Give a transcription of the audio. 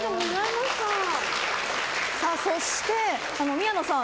そして宮野さん